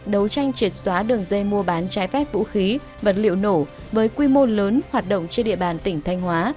đấu tranh triệt xóa đường dây mua bán trái phép vũ khí vật liệu nổ với quy mô lớn hoạt động trên địa bàn tỉnh thanh hóa